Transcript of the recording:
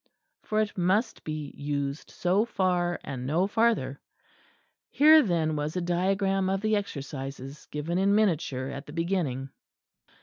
For it must be used so far, and no farther. Here then was a diagram of the Exercises, given in miniature at the beginning.